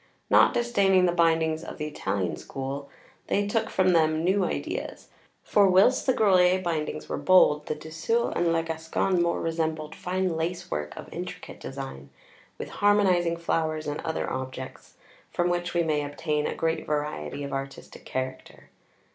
Not disdaining the bindings of the Italian school, they took from them new ideas; for whilst the Grolier bindings were bold, the Du Sueil and Le Gascon more resembled fine lace work of intricate design, with harmonizing flowers and other objects, from which we may obtain a great variety of artistic character.